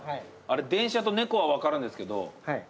あれ電車と猫は分かるんですけど。